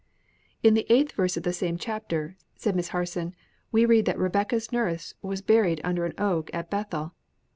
'" "In the eighth verse of the same chapter," said Miss Harson, "we read that Rebekah's nurse was buried under an oak at Bethel.